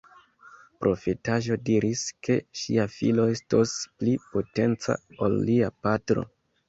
Profetaĵo diris, ke ŝia filo estos pli potenca ol lia patro.